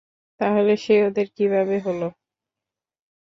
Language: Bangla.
তাহলে সে ওদের কীভাবে হলো?